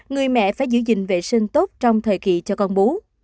người mẹ phải giữ gìn vệ sinh tốt trong thời kỳ cho con bú